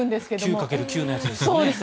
９掛ける９のやつですよね。